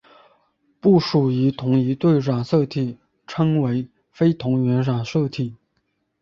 不属于同一对的染色体称为非同源染色体。